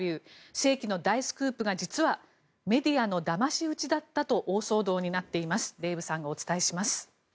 世紀の大スクープが、実はメディアのだまし討ちだったと大騒動になっています。